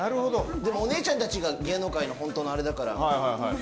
お姉ちゃんたちが芸能界の本当のあれだから。